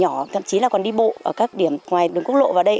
thật sự là nhỏ thậm chí là còn đi bộ ở các điểm ngoài đường quốc lộ vào đây